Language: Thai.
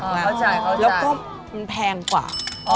เข้าใจแล้วก็มันแพงกว่า